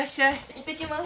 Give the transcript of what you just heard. いってきます。